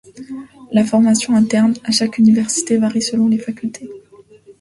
La formation interne à chaque université varie selon les facultés.